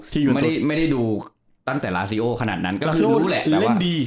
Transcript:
ที่ยูเอ็นตุ๊สไม่ได้ดูตั้งแต่ราเซโอขนาดนั้นก็คือรู้แหละเล่นดี